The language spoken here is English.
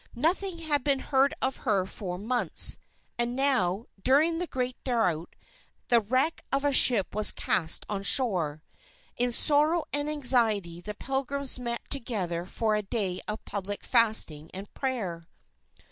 Nothing had been heard of her for months. And now, during the great drought, the wreck of a ship was cast on shore. In sorrow and anxiety, the Pilgrims met together for a day of public fasting and prayer.